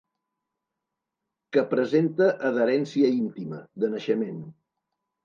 Que presenta adherència íntima, de naixement.